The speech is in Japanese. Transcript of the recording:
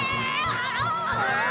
ああ。